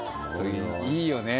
いいよね